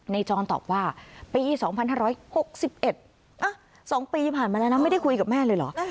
จรตอบว่าปี๒๕๖๑๒ปีผ่านมาแล้วนะไม่ได้คุยกับแม่เลยเหรอ